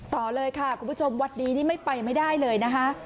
ต่อเลยค่ะคุณผู้ชมวัดนี้นี่ไม่ไปไม่ได้เลยนะคะ